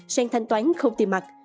sang thanh toán không tiền mặt